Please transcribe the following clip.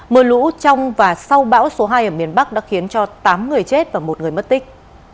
mưa lũ trong và sau bão số hai ở miền bắc đã khiến cho tám người chết và một người mất tích